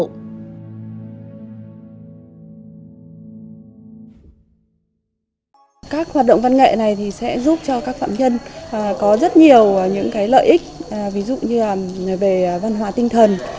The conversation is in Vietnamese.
các hoạt động văn nghệ này sẽ giúp cho các phạm nhân có rất nhiều những lợi ích ví dụ như là về văn hóa tinh thần